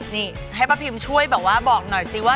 นี่แพ้ป้าพิมฮ์ช่วยบอกหน่อยซิว่า